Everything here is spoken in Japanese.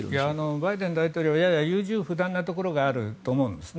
バイデン大統領やや優柔不断なところがあると思うんですね。